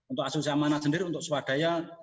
untuk asosiasi amanah sendiri untuk swadaya